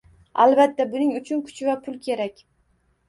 Albatta, buning uchun kuch va pul kerak